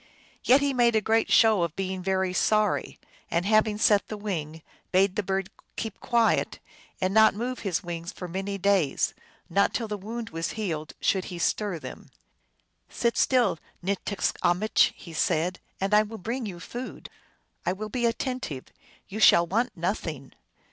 Yet he made great show of being very sorry, and, having set the wing, bade the bird keep quiet, and not move his wings for many days ; not till the wound was healed should he stir them. " Sit still, NticskamichJ he said, " and I will bring you food ; I will be attentive ; you shall want nothing."